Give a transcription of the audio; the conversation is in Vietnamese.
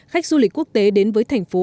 khách du lịch quốc tế đến với thành phố